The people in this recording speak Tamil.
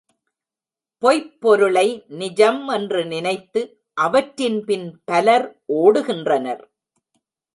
பொய்ப்பொருளை நிஜம் என்று நினைத்து அவற்றின்பின் பலர் ஓடுகின்றனர்.